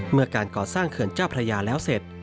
เมื่อการก่อสร้างเขื่อนเจ้าพระยาแล้วเสร็จ